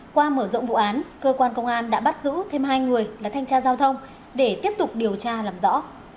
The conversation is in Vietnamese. qua mở rộng vụ án cơ quan công an đã bắt giữ thêm hai người là thanh tra giao thông để tiếp tục điều tra làm rõ